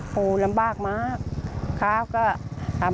โหลำบากมากข้าน่ะ